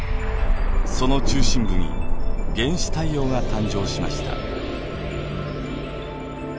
その中心部に原始太陽が誕生しました。